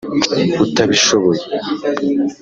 utabishoboye